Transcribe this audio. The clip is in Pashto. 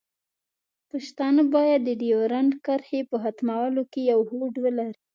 پښتانه باید د ډیورنډ کرښې په ختمولو کې یو هوډ ولري.